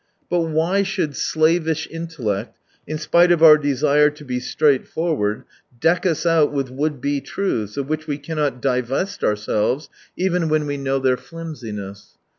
But why should slavish intellect, in spite of our desire to be straightforward, deck us out with would be truths, of which we cannot divest ourselves even when we know their 89 flimsiness.